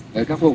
để khắc phục